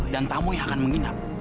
dan tamu yang akan menginap